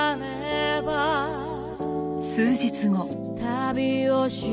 数日後。